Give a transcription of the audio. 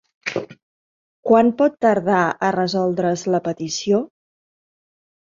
Quant pot tardar a resoldre’s la petició?